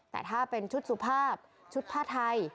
แต่ถ้าเป็นชุดสุภาพชุดผ้าไทย